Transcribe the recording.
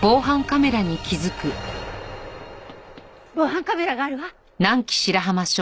防犯カメラがあるわ。